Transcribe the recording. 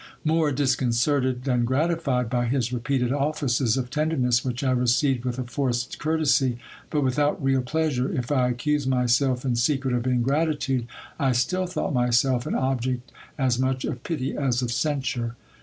More disconcerted than gratified by his repeated offices of tenderness, which I received with a forced courtesy, but without real plea sure, if I accused myself in secret of ingratitude, I still thought myself an object as much of pity as of censure.